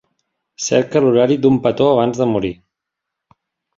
Cerca l'horari d'Un petó abans de morir.